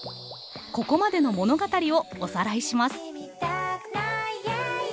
ここまでの物語をおさらいします。